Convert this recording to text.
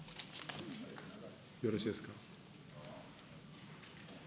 よろしいですか。